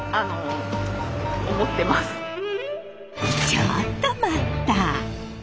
ちょっと待った！